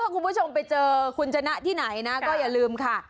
คุณผู้ชมไปเจอคุณชนะที่ไหนนะก็อย่าลืมค่ะ